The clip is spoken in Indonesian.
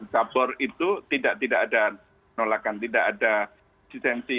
sabar itu tidak ada nolakan tidak ada disensi